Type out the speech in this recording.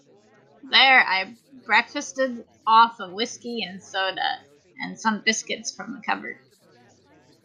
There I breakfasted off a whisky-and-soda and some biscuits from the cupboard.